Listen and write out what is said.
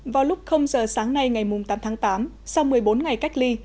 vào lúc giờ sáng nay ngày tám tháng tám sau một mươi bốn ngày cách ly